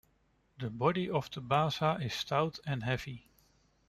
The body of the basa is stout and heavy.